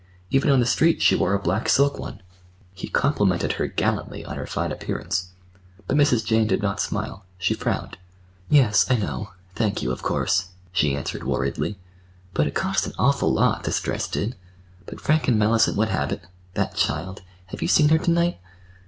Even on the street she wore a black silk one. He complimented her gallantly on her fine appearance. But Mrs. Jane did not smile. She frowned. "Yes, I know. Thank you, of course," she answered worriedly. "But it cost an awful lot—this dress did; but Frank and Mellicent would have it. That child!—have you seen her to night?"